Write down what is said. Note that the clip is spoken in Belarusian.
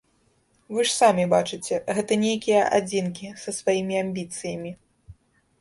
Вы ж самі бачыце, гэта нейкія адзінкі, са сваімі амбіцыямі.